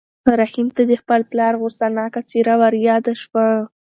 رحیم ته د خپل پلار غوسه ناکه څېره وریاده شوه.